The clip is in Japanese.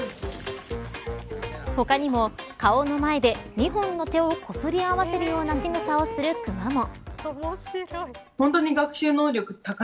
他にも顔の前で２本の手をこすり合わせるようなしぐさをするクマも。